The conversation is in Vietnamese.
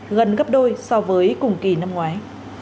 gần gấp đôi so với cùng kỳ năm ngoái